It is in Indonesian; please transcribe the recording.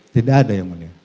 tidak ada yang mulia